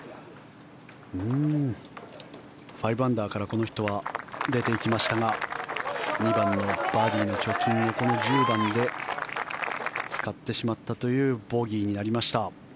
５アンダーからこの人は出ていきましたが２番のバーディーの貯金をこの１０番で使ってしまったというボギーになりました。